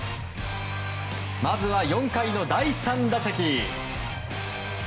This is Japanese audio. まずは４回の第３打席。